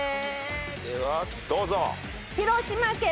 ではどうぞ。